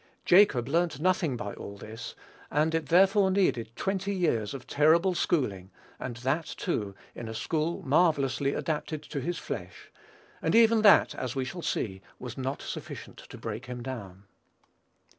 Jacob learnt nothing by all this, and it therefore needed twenty years of terrible schooling, and that, too, in a school marvellously adapted to his flesh; and even that, as we shall see, was not sufficient to break him down.